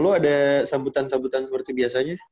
lalu ada sambutan sambutan seperti biasanya